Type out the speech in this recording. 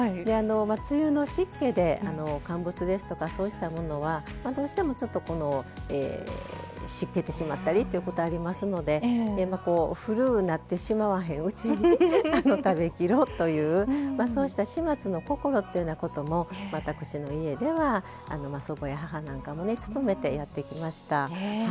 梅雨の湿気で乾物ですとかそうしたものはどうしても、しけてしまったりということがありますので古うてしまわないうちにということでそうした始末の心というようなことも私の家では祖母や母なんかも努めてやってきました。